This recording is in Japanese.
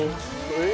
え！